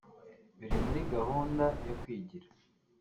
biri muri gahunda yo kwigira